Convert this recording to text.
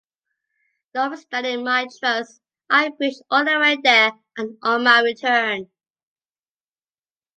Notwithstanding my trust, I preached all the way there and on my return.